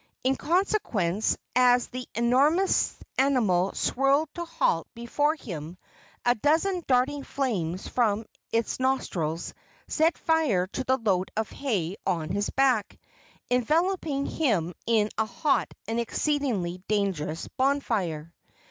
In consequence, as the enormous animal swirled to a halt before him, a dozen darting flames from its nostrils set fire to the load of hay on his back, enveloping him in a hot and exceedingly dangerous bonfire.